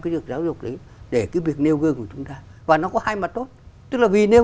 cái việc giáo dục đấy để cái việc nêu gương của chúng ta và nó có hai mặt tốt tức là vì nêu